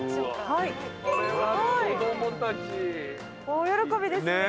大喜びですね。